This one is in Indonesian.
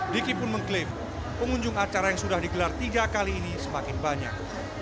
diki pun mengklaim pengunjung acara yang sudah digelar tiga kali ini semakin banyak